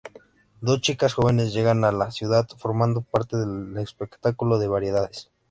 Dos chicas jóvenes llegan a la ciudad formando parte de un espectáculo de variedades